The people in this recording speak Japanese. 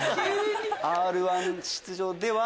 『Ｒ−１』出場では。